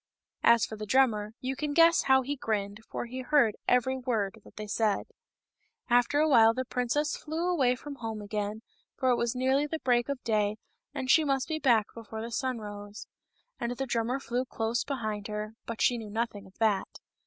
As for the drummer, you can guess how he grinned, for he heard every word that they said. After a while the princess flew away home again, for it was nearly the break of day, and she must be back before the sun rose. And the drummer flew close behind her, but she knew nothing of that.